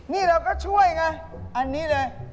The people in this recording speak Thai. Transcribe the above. นี่เราก็ช่วยไงอันนี้เลย